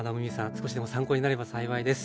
少しでも参考になれば幸いです。